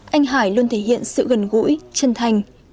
anh hải luôn thể hiện sự gần gũi chân thành